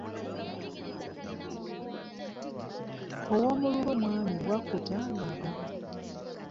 Ow'omululu mwami, bwakutta ng'agaba .